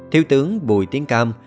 thiếu tướng bùi tiến cam